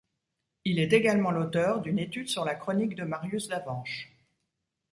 Il est également l'auteur d'une étude sur la Chronique de Marius d'Avenches.